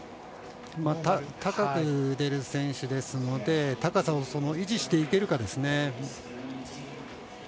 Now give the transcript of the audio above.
高く出る選手ですので高さを維持していけるかですね。